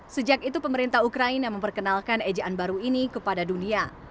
sejak itu pemerintah ukraina memperkenalkan ejaan baru ini kepada dunia